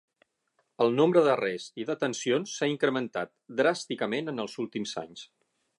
El nombre d'arrests i detencions s'ha incrementat dràsticament en els últims anys.